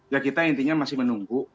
ya kita intinya masih menunggu